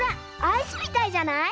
アイスみたいじゃない？